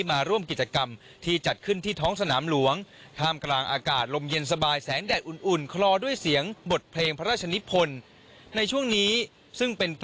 มาร่วมกิจกรรมที่จัดขึ้นที่ท้องสนามหลวง